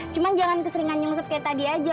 cuma jangan keseringan nyungsep kayak tadi aja